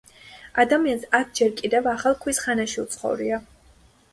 ადამიანს აქ ჯერ კიდევ ახალ ქვის ხანაში უცხოვრია.